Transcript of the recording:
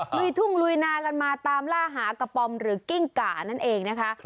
ลุยทุ่งลุยนากันมาตามล่าหากระป๋อมหรือกิ้งก่านั่นเองนะคะ